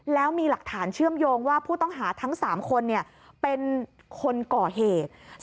แล้วมีหลักฐานเชื่อมโยงว่าผู้ต้องหาทั้ง๓คนเป็นคนก่อเหตุ